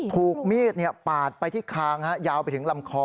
ถูกมีดปาดไปที่คางยาวไปถึงลำคอ